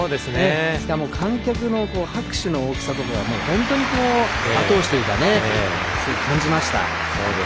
しかも観客の拍手の大きさも本当に後押しというか感じました。